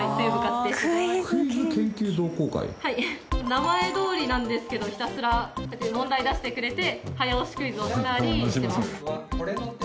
名前どおりなんですけどひたすら問題出してくれて早押しクイズをしたりしてます。